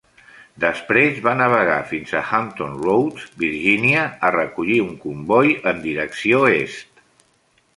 Després va navegar fins a Hampton Roads, Virgínia, a recollir un comboi en direcció est.